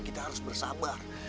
kita harus bersabar